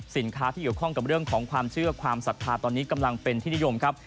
ที่เกี่ยวข้องกับเรื่องของความเชื่อความศรัทธาตอนนี้กำลังเป็นที่นิยมครับ